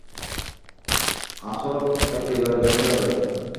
আসর একেবারে জমে যাবে।